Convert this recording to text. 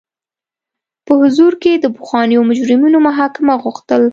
په حضور کې د پخوانیو مجرمینو محاکمه غوښتل.